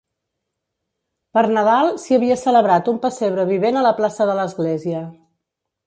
Per Nadal, s’hi havia celebrat un pessebre vivent a la plaça de l’església.